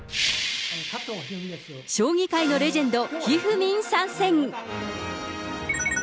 将棋界のレジェンド、ひふみん、参戦。